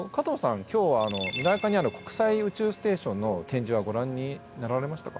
今日は未来館にある国際宇宙ステーションの展示はご覧になられましたか？